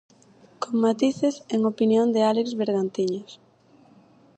Con matices, en opinión de Álex Bergantiños.